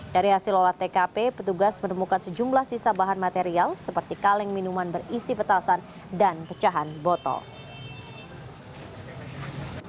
dari hasil olah tkp petugas menemukan sejumlah sisa bahan material seperti kaleng minuman berisi petasan dan pecahan botol